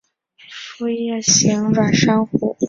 辐叶形软珊瑚为软珊瑚科叶形软珊瑚属下的一个种。